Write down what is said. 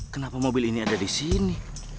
kenapa mobil ini ada disini